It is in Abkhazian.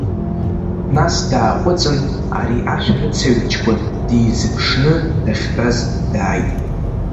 Нас дааҟәыҵын, ари ашәарыцаҩ ҷкәын дизыԥшны дахьтәаз дааит.